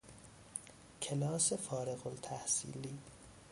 کلاس فارغ التحصیلی